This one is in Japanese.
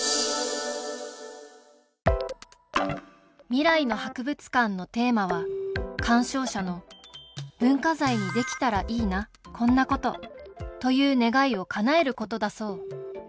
「未来の博物館」のテーマは鑑賞者の「文化財にできたらいいなこんなこと」という願いをかなえることだそう